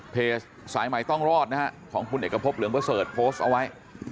เพจสายใหม่ต้องรอดนะฮะของคุณเอกพบเหลืองประเสริฐโพสต์เอาไว้